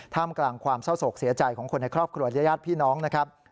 กลางความเศร้าโศกเสียใจของคนในครอบครัวและญาติพี่น้องนะครับ